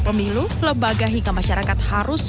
pemilu lebaga hingga masyarakat harus